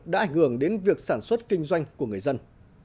đã ảnh hưởng đến việc sản xuất kinh doanh của người dân